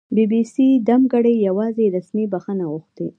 بي بي سي دمګړۍ یواځې رسمي بښنه غوښتې